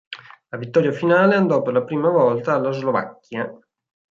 La vittoria finale andò per la prima volta alla Slovacchia.